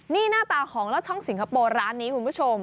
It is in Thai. นี่หน้าตาของลอดช่องสิงคโปร์ร้านนี้คุณผู้ชม